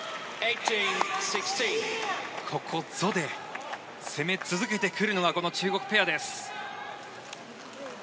ここぞで攻め続けてくるのは中国ペアです。